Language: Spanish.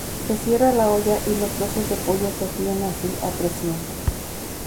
Se cierra la olla y los trozos de pollo se fríen así a presión.